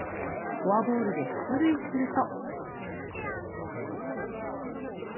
フォアボールで出塁すると。